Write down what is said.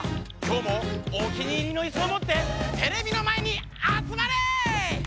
今日もお気に入りのイスをもってテレビの前にあつまれ！